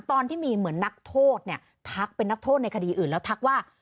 ตอนที่มีเหมือนนักโทษเนี่ยทักเป็นนักโทษในคดีอื่นแล้วทักว่า